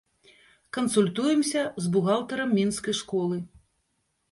Кансультуемся з бухгалтарам мінскай школы.